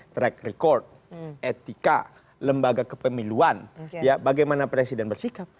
track record etika lembaga kepemiluan bagaimana presiden bersikap